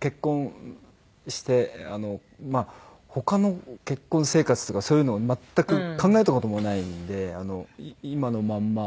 結婚して他の結婚生活とかそういうのを全く考えた事もないんで今のまんま